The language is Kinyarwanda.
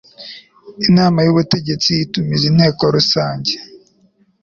inama y ubutegetsi itumiza inteko rusange